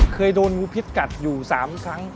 เคยโดนงูพิษกัดอยู่๓ครั้ง